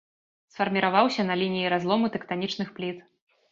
Сфарміраваўся на лініі разлому тэктанічных пліт.